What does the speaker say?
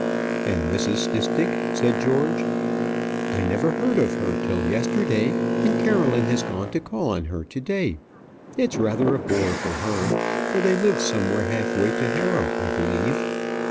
"And Mrs. Stistick?" said George. "I never heard of her till yesterday, and Caroline has gone to call on her to day. It's rather a bore for her, for they live somewhere half way to Harrow, I believe.